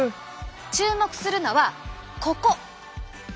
注目するのはここ。